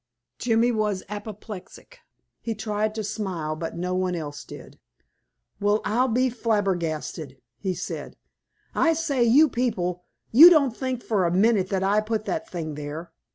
Jimmy was apoplectic. He tried to smile, but no one else did. "Well, I'll be flabbergasted!" he said. "I say, you people, you don't think for a minute that I put that thing there?